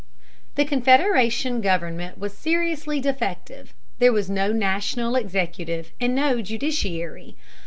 The Confederation government was seriously defective. There was no national executive and no judiciary.